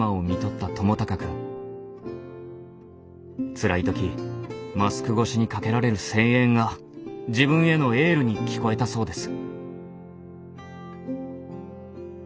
つらい時マスク越しにかけられる声援が自分へのエールに聞こえたそうです。